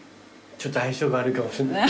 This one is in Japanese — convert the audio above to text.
ちょっと相性が悪いかもしんない。